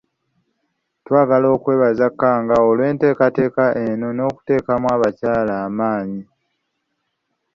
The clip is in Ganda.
Twagala okwebaza Kkangaawo olw'enteekateeka eno n'okuteekamu abakyala amaanyi.